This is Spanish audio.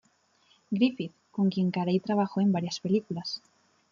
Griffith, con quien Carey trabajó en varias películas.